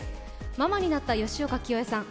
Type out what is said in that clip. ママになった吉岡聖恵さん。